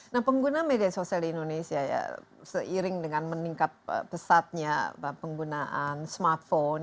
nah pengguna media sosial di indonesia ya seiring dengan meningkat pesatnya penggunaan smartphone